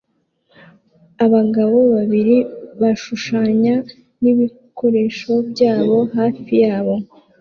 Abagabo babiri bashushanya nibikoresho byabo hafi yabo